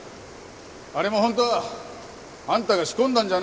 あれも本当はあんたが仕込んだんじゃないのか？